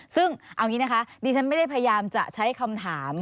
ซึ่งเอาอย่างนี้นะคะดิฉันไม่ได้พยายามจะใช้คำถาม